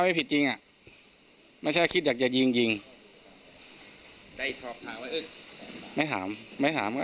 ไม่ผิดจริงอ่ะไม่ใช่คิดอยากจะยิงยิงไม่ถามไม่ถาม